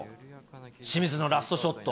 清水のラストショット。